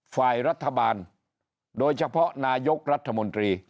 ฝ่ายรัฐบาลโดยเฉพาะนายกรัฐมนตรี